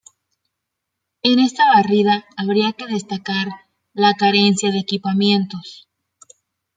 En esta barrida habría que destacar la carencia de equipamientos.